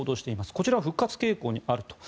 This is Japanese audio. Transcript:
こちらは復活傾向にあると。